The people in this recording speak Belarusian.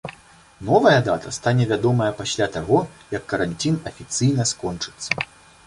Новая дата стане вядомая пасля таго, як каранцін афіцыйна скончыцца.